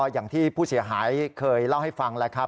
อย่างที่ผู้เสียหายเคยเล่าให้ฟังแล้วครับ